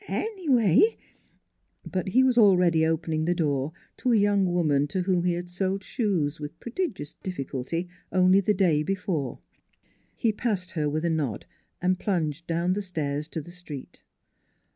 Anyway " But he was already opening the door to a young woman, to whom he had sold shoes with prodigious difficulty only the day before. He passed her with a nod and plunged down the stairs to the street.